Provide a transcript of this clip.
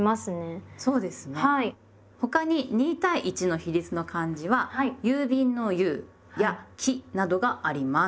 他に２対１の比率の漢字は郵便の「郵」や「期」などがあります。